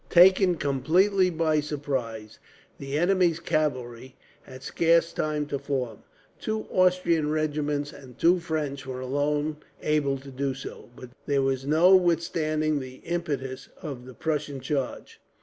Taken completely by surprise, the enemy's cavalry had scarce time to form. Two Austrian regiments and two French were alone able to do so. But there was no withstanding the impetus of the Prussian charge.